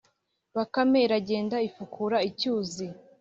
Bakame iragenda ifukura icyuzi,